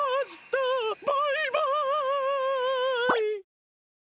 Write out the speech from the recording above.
バイバイ！